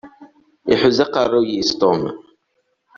Ihuzz aqeṛṛuy-is Tom.